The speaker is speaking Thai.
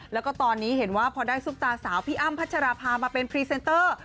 แล้วก็ตอนนี้เห็นว่าพอได้ซุปตาสาวพี่อ้ำพัชราภามาเป็นพรีเซนเตอร์